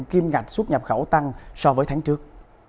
kim ngạch xuất nhập khẩu tăng so với tháng trước